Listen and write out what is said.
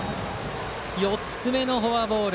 ４つ目のフォアボール。